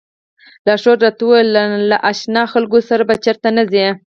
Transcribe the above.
لارښود راته وویل له نا اشنا خلکو سره به چېرته نه ځئ.